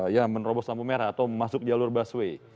ya menerobos lampu merah atau masuk jalur busway